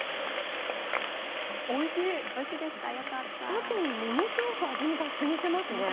さけにものすごく味がしみてますね。